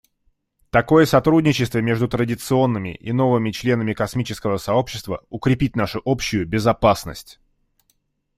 Такое сотрудничество между традиционными и новыми членами космического сообщества укрепит нашу общую безопасность.